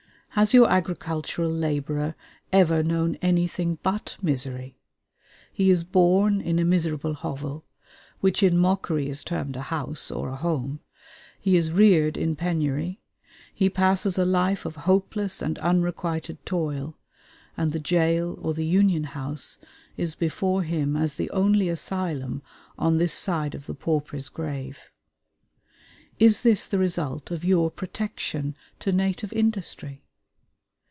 Has your agricultural laborer ever known anything but misery? He is born in a miserable hovel, which in mockery is termed a house or a home; he is reared in penury: he passes a life of hopeless and unrequited toil, and the jail or the union house is before him as the only asylum on this side of the pauper's grave. Is this the result of your protection to native industry?